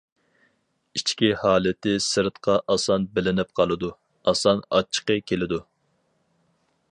ئىچكى ھالىتى سىرتقا ئاسان بىلىنىپ قالىدۇ، ئاسان ئاچچىقى كېلىدۇ.